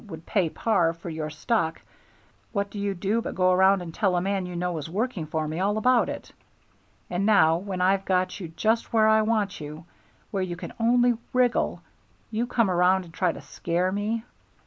would pay par for your stock, what do you do but go around and tell a man you know is working for me all about it! And now when I've got you just where I want you, where you can only wriggle, you come around and try to scare me.